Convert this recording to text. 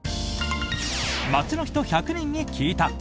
街の人１００人に聞いた！